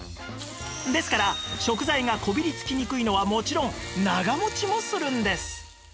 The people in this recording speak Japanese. ですから食材がこびりつきにくいのはもちろん長持ちもするんです！